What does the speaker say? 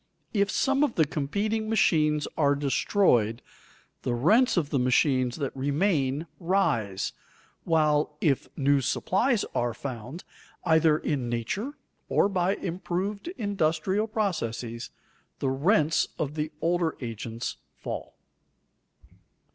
If some of the competing machines are destroyed, the rents of the machines that remain rise, while if new supplies are found, either in nature or by improved industrial processes, the rents of the older agents fall.